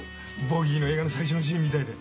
ボギーの映画の最初のシーンみたいで。